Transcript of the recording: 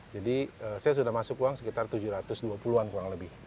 jadi saya sudah masuk uang sekitar tujuh ratus dua puluh an kurang lebih